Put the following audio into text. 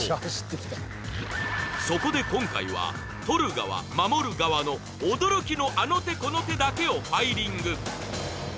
そこで今回は盗る側守る側の驚きのあの手この手だけをファイリング